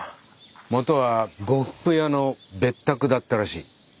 元は呉服屋の別宅だったらしい。